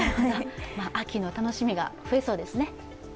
秋の楽しみが増えそうですね。